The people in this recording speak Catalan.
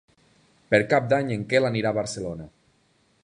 Per Cap d'Any en Quel anirà a Barcelona.